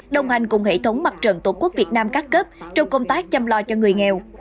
đồng hành cùng hệ thống mặt trận tổ quốc việt nam các cấp trong công tác chăm lo cho người nghèo